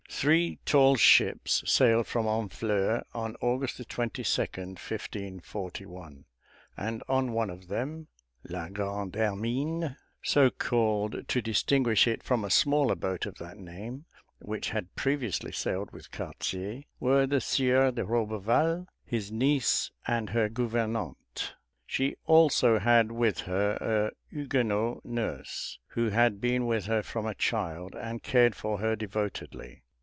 Three tall ships sailed from Honfleur on August 22, 1541, and on one of them, La Grande Hermine, so called to distinguish it from a smaller boat of that name, which had previously sailed with Cartier, were the Sieur de Roberval, his niece, and her gouvernante. She also had with her a Huguenot nurse, who had been with her from a child, and cared for her devotedly.